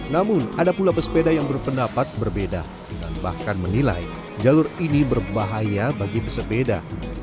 namun ada pula pesepeda yang berpendapat berbeda dan bahkan menilai jalur ini berbahaya bagi pesepeda